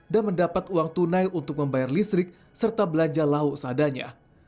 dan mendapat uang tunai untuk membayar listrik serta belanja lauk seadanya